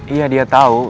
iya dia tau